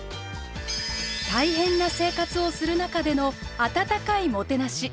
大変な生活をする中での温かいもてなし。